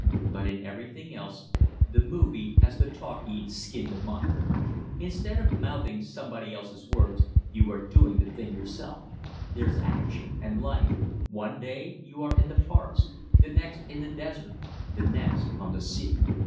"But in everything else, the movie has the talkie skinned a mile. Instead of mouthing somebody else's words, you are doing the thing yourself. There's action, and life one day you are in the forest, the next in the desert, the next on the sea."